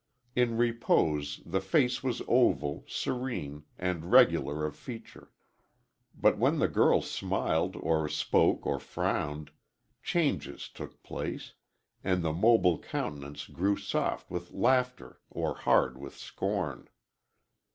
In repose, the face was oval, serene, and regular of feature. But when the girl smiled or spoke or frowned, changes took place, and the mobile countenance grew soft with laughter or hard with scorn.